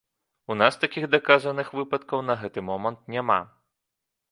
У нас такіх даказаных выпадкаў на гэты момант няма.